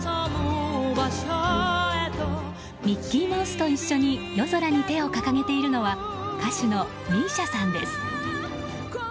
ミッキーマウスと一緒に夜空に手を掲げているのは歌手のＭＩＳＩＡさんです。